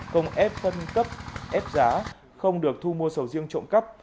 không ép phân cấp ép giá không được thu mua sầu riêng trộm cắp